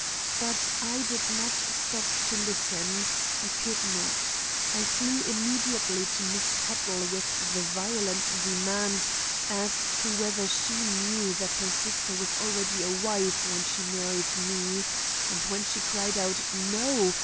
But I did not stop to listen—I could not. I flew immediately to Miss Tuttle with the violent demand as to whether she knew that her sister was already a wife when she married me, and when she cried out 'No!